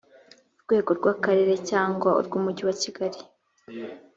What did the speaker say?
urwego rw’akarere cyangwa urw’umujyi wa kigali